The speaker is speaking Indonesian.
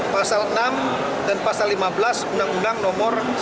pasal enam dan pasal lima belas undang undang nomor sembilan ratus sembilan puluh delapan